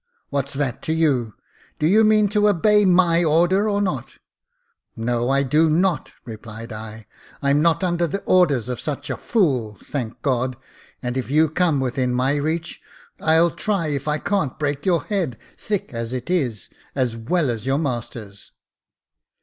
" What's that to you ? Do you mean to obey my order or not ?"•* No, I do not," replied I ;" I'm not under the orders of such a fool, thank God ; and if you come within my reach, I'll try if I can't break your head, thick as it is, as well as your master's."